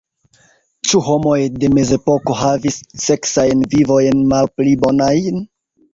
Ĉu homoj de mezepoko havis seksajn vivojn malpli bonajn?